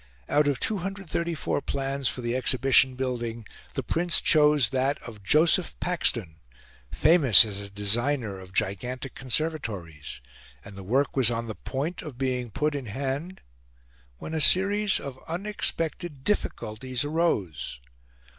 Out of 234 plans for the exhibition building, the Prince chose that of Joseph Paxton, famous as a designer of gigantic conservatories; and the work was on the point of being put in hand when a series of unexpected difficulties arose.